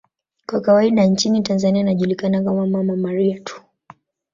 Kwa kawaida nchini Tanzania anajulikana kama 'Mama Maria' tu.